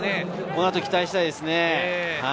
このあと期待したいですね。